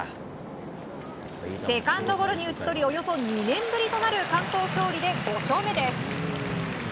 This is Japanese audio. セカンドゴロに打ち取りおよそ２年ぶりとなる完投勝利で５勝目です。